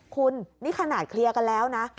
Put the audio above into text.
คุณนี่ขนาดเคลียร์กันแล้วนะ